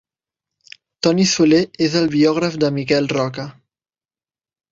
Toni Soler és el biògraf de Miquel Roca.